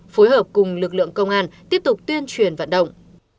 phối hợp cùng lực lượng công an tiếp tục tuyên truyền vận động